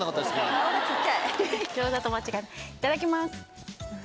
いただきます。